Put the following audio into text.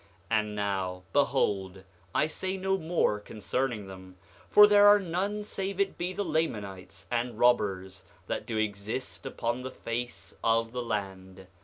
8:9 And now, behold, I say no more concerning them, for there are none save it be the Lamanites and robbers that do exist upon the face of the land.